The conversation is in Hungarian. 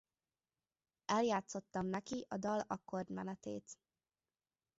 Eljátszottam neki a dal akkordmenetét.